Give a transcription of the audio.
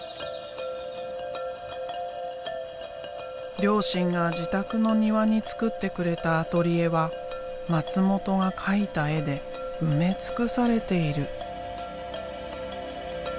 両親が自宅の庭に作ってくれたアトリエは松本が描いた絵で埋め尽くされている。